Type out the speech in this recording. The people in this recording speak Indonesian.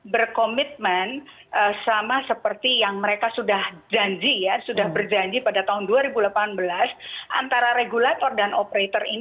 september yang menyebabkan dua direkturnya